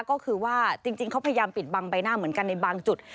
ก็คือว่าจริงเขาพยายามปิดบังใบหน้าเหมือนกันในบางจุด